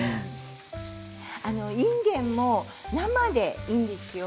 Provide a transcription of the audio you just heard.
いんげんも生でいいんですよ